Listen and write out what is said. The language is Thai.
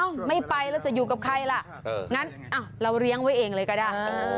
ไม่ไปแล้วจะอยู่กับใครล่ะงั้นเราเลี้ยงไว้เองเลยก็ได้